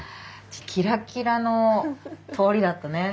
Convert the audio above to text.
キラキラの通りだったね。